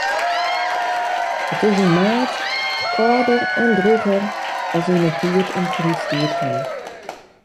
It is yn maart kâlder en drûger as yn 'e tiid om Krysttiid hinne.